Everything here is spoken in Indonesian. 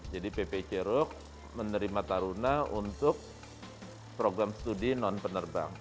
jadi ppic curug menerima taruna untuk program studi non penerbang